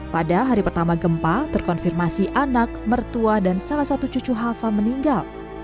pada hari pertama gempa terkonfirmasi anak mertua dan salah satu cucu hafa meninggal